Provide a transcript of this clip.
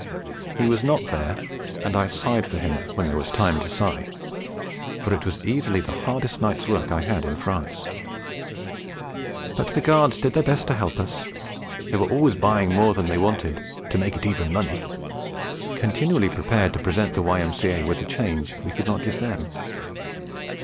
He was not there, and I sighed for him when there was time to sigh; for it was easily the hardest night's work I had in France. But the Guards did their best to help us; they were always buying more than they wanted, 'to make it even money'; continually prepared to present the Y.M.C.A. with the change we could not give them.